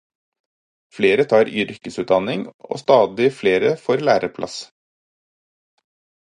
Flere tar yrkesutdanning, og stadig flere får læreplass.